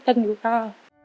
cá tốt của các em